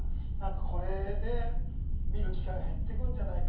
これで見る機会が減っていくんじゃないか。